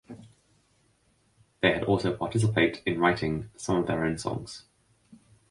They had also participate in writing some of their own songs.